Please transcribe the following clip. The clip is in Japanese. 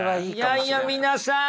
いやいや皆さん